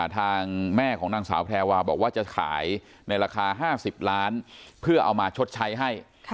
ทางแม่ของนางสาวแพรวาบอกว่าจะขายในราคา๕๐ล้านเพื่อเอามาชดใช้ให้